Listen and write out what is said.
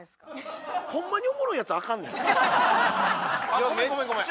ごめんごめんごめん。